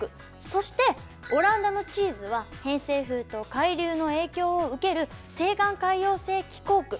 そしてオランダのチーズは偏西風と海流の影響を受ける西岸海洋性気候区。